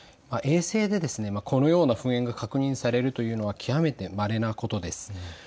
衛星でこのような噴煙が確認されるというのは極めてまれなことです。